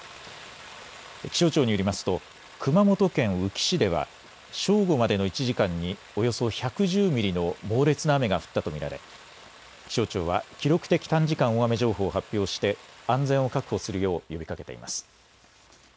気象庁によりますと熊本県宇城市では正午までの１時間におよそ１１０ミリの猛烈な雨が降ったと見られ気象庁は記録的短時間大雨情報を発表して安全を確保するよう呼びかけています。